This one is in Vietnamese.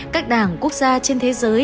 các đảng quốc gia trên thế giới